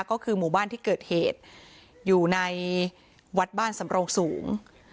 ก็คือหมู่บ้านที่เกิดเหตุอยู่ในวัดบ้านสำโรงสูง